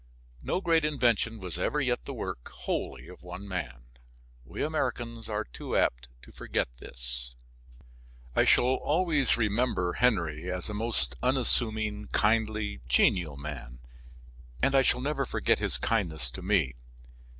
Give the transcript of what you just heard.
No great invention was ever yet the work, wholly, of one man. We Americans are too apt to forget this. I shall always remember Henry as a most unassuming, kindly, genial man, and I shall never forget his kindness to me.